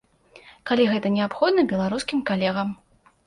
Калі гэта неабходна беларускім калегам.